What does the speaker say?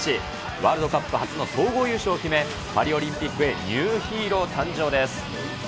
ワールドカップ初の総合優勝を決め、パリオリンピックへニューヒーロー誕生です。